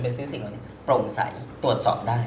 ไปซื้อสิ่งอันนี้โปร่งใสตรวจสอบได้